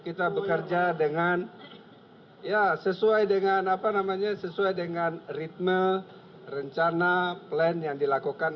kita bekerja dengan ya sesuai dengan apa namanya sesuai dengan ritme rencana plan yang dilakukan